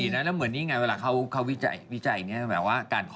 ทุเรียนกินเปลือกเข้าไปปาก